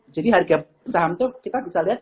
jadi harga saham itu kita bisa lihat